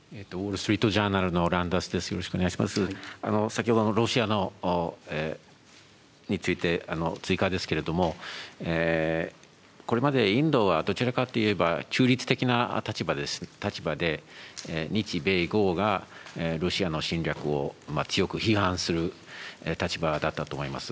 先ほどのロシアについて追加ですけれども、これまでインドはどちらかといえば、中立的な立場で、日米豪がロシアの侵略を強く批判する立場だったと思います。